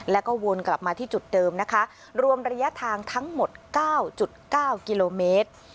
แล้วก็วนกลับมาที่จุดเดิมนะคะรวมระยะทางทั้งหมด๙๙กิโลเมตร